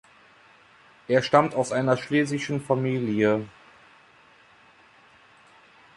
Er stammt aus einer schlesischen Familie.